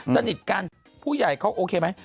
สนิทกันผู้ใหญ่เขาโอเคไหม